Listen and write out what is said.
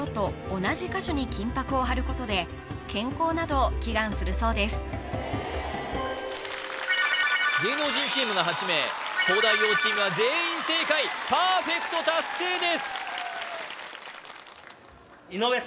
はい仏像に貼るでした参拝客は芸能人チームが８名東大王チームは全員正解パーフェクト達成です！